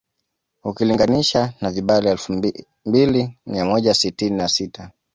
Ukilinganisha na vibali elfu mbili mia moja sitini na sita